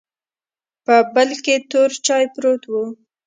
په بل کې تور چاې پروت و.